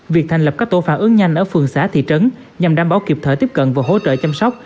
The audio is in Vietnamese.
việc thành lập các tổ phản ứng nhanh ở phường xã thị trấn nhằm đảm bảo kịp thời tiếp cận và hỗ trợ chăm sóc